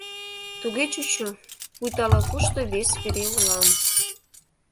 Туге чучо, пуйто ала-кушто вес вере улам.